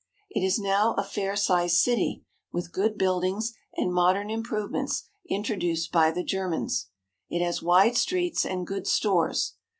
It is now a fair sized city with good buildings and modern improvements introduced by the Germans. It has wide streets and good stores.